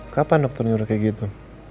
kapan dokter nyuruh kayak gitu